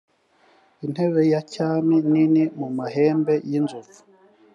intebe ya cyami nini mu mahembe y inzovu